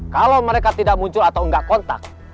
kalau mereka tidak muncul atau enggak kontak